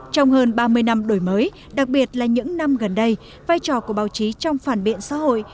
trong hơn ba mươi năm đổi mới đặc biệt là những năm gần đây vai trò của báo chí trong phản biện xã hội